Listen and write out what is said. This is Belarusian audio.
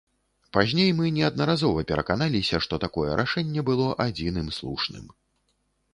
Пазней мы неаднаразова пераканаліся, што такое рашэнне было адзіным слушным.